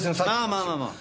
まあまあまあ。